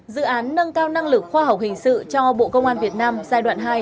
dự án nâng cao năng lực khoa học hình sự cho bộ công an việt nam giai đoạn hai